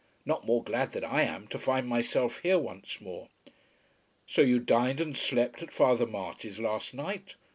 "Not more glad than I am to find myself here once more." "So you dined and slept at Father Marty's last night.